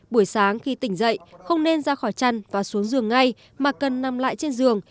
buổi sáng khi tỉnh dậy không nên ra khỏi chăn và xuống giường ngay mà cần nằm lại trên giường